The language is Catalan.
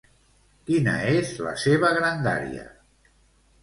Quina és la seva grandària?